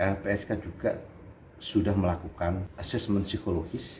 lpsk juga sudah melakukan asesmen psikologis